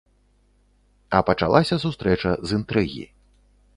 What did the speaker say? А пачалася сустрэча з інтрыгі.